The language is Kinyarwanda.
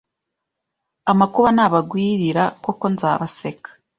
amakuba nabagwirira Koko nzabaseka